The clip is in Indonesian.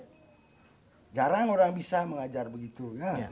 jarang orang bisa mengajar begitu